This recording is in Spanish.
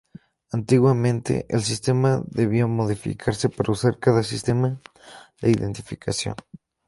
Antiguamente, el sistema debía modificarse para usar cada sistema de identificación.